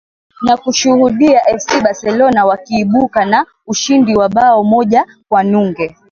na kushuhudia fc barcelona wakiibuka na ushindi wa bao moja kwa nunge